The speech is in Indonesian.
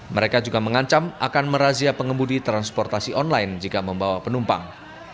mereka juga mengancam akan merazia pengemudi transportasi online jika membawa penumpang